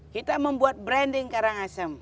kita membuat branding karangasem